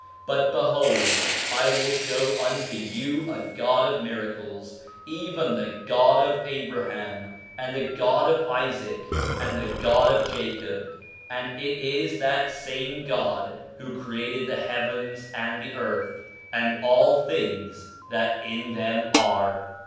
9:11 But behold, I will show unto you a God of miracles, even the God of Abraham, and the God of Isaac, and the God of Jacob; and it is that same God who created the heavens and the earth, and all things that in them are.